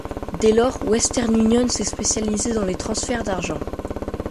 Dès lors, Western Union s'est spécialisée dans les transferts d'argent.